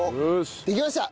できました！